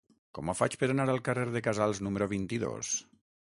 Com ho faig per anar al carrer de Casals número vint-i-dos?